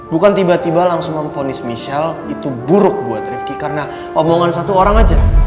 bukan tiba tiba langsung memfonis michelle itu buruk buat rifki karena omongan satu orang saja